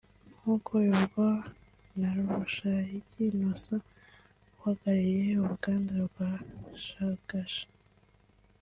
nk’uko bivugwa na Rushayigi Innocent uhagarariye uruganda rwa Shagasha